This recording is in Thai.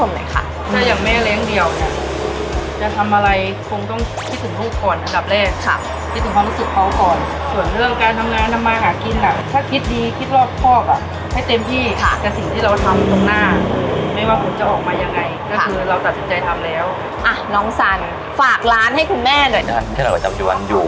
มีขอเสนออยากให้แม่หน่อยอ่อนสิทธิ์การเลี้ยงดู